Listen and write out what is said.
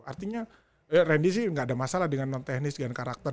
artinya randy sih nggak ada masalah dengan non teknis dengan karakter